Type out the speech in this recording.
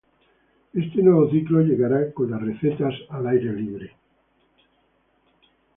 Este nuevo ciclo, llegará con las recetas al aire libre.